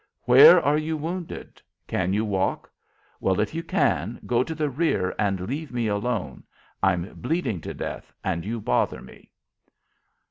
"Where are you wounded? Can you walk? Well, if you can, go to the rear and leave me alone. I'm bleeding to death, and you bother me."